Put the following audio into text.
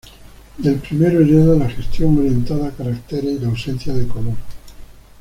Del primero hereda la gestión orientada a caracteres y la ausencia de color.